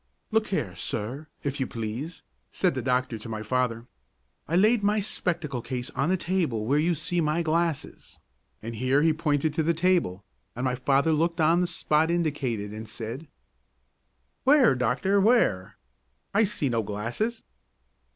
"Look here, sir, if you please," said the doctor to my father. "I laid my spectacle case on the table where you see my glasses," and here he pointed to the table, and my father looked on the spot indicated, and said: "Where, doctor, where? I see no glasses."